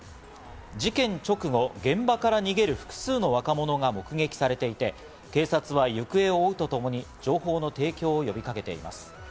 事件直後、現場から逃げる複数の若者が目撃されていて、警察は行方を追うとともに情報の提供を呼びかけています。